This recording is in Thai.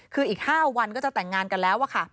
คืออีก๕วันก็จะแต่งงานกันแล้วค่ะ